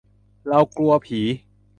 เรากลัวผี !